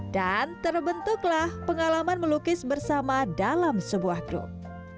dan terbentuklah pengalaman melukis bersama dalam sebuah grup